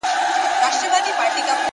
• زوی یې پرانیستله خوله ویل بابکه,